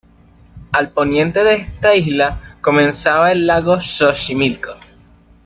Al poniente de esta isla comenzaba el lago de Xochimilco.